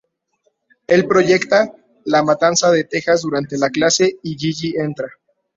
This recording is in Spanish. Él proyecta, La matanza de Texas durante la clase y Gigi entra.